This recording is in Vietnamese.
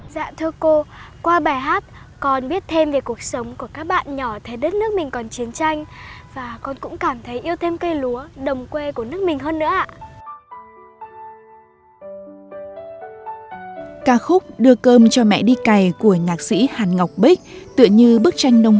dạ thưa cô qua bài hát con biết thêm về cuộc sống của các bạn nhỏ thế đất nước mình còn chiến tranh và con cũng cảm thấy yêu thêm cây lúa đồng quê của nước mình hơn nữa ạ